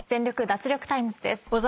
脱力タイムズ』です。